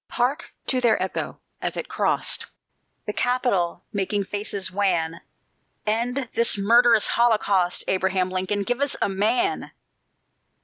Hark to their echo, as it crost The Capital, making faces wan: "End this murderous holocaust; Abraham Lincoln, give us a MAN!